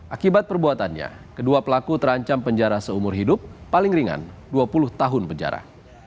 akibat perbuatannya kedua pelaku terancam penjara seumur hidup paling ringan dua puluh tahun penjara